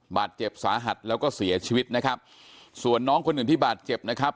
บาดเจ็บสาหัสแล้วก็เสียชีวิตนะครับส่วนน้องคนอื่นที่บาดเจ็บนะครับ